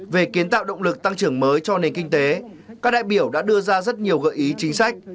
về kiến tạo động lực tăng trưởng mới cho nền kinh tế các đại biểu đã đưa ra rất nhiều gợi ý chính sách